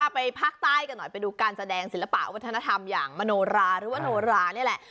ไปภาคใต้กันหน่อยไปดูการแสดงศิลปะวัฒนธรรมอย่างมโนราหรือว่าโนรานี่แหละ